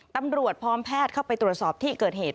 ตำรวจพร้อมแพทย์เข้าไปตรวจสอบที่เกิดเหตุ